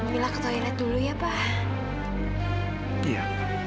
mila ketualiannya dulu ya pa